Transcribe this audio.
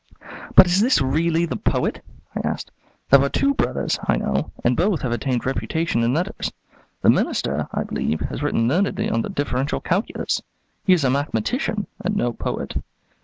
"But is this really the poet?" I asked. "There are two brothers, I know; and both have attained reputation in letters. The Minister, I believe, has written learnedly on the Differential Calculus. He is a mathematician and no poet."